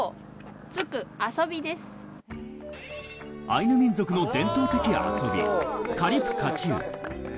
アイヌ民族の伝統的遊びカリプカチウ。